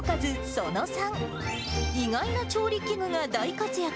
その３、意外な調理器具が大活躍！